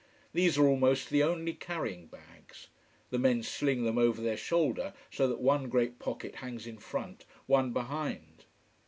These are almost the only carrying bags. The men sling them over their shoulder, so that one great pocket hangs in front, one behind.